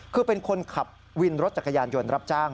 คือเป็นคนขับวินรถจักรยานยนต์รับจ้าง